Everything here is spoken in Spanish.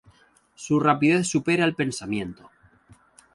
Su rapidez supera el pensamiento.